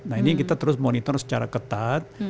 nah ini kita terus monitor secara ketat